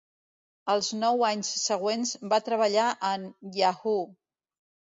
Els nou anys següents va treballar en Yahoo.